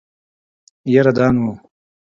يره دا نو.